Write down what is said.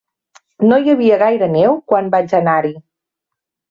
No hi havia gaire neu quan vaig anar-hi.